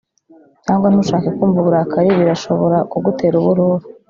cyangwa, ntushake kumva uburakari, birashobora kugutera ubururu